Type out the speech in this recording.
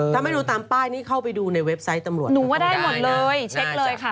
ถ้าไม่รู้ตามป้ายนี่เข้าไปดูในเว็บไซต์ตำรวจหนูว่าได้หมดเลยเช็คเลยค่ะ